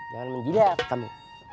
jangan menjilat kami